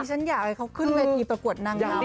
ฉันอยากให้เขาขึ้นเวทีประกวดนางงาม